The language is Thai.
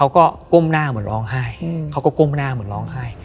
สักพักหนึ่งเขาก็ก้มหน้าเหมือนร้องไห้